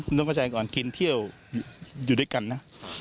ต้องเข้าใจก่อนกินเที่ยวอยู่ด้วยกันนะ